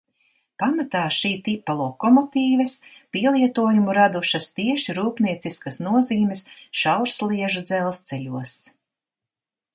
Pamatā šī tipa lokomotīves pielietojumu radušas tieši rūpnieciskas nozīmes šaursliežu dzelzceļos.